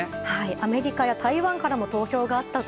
アメリカや台湾からも投票があったと。